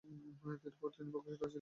এরপর তিনি প্রকাশ্য রাজনীতিতে ফিরে আসেন।